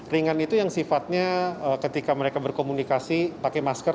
ringan itu yang sifatnya ketika mereka berkomunikasi pakai masker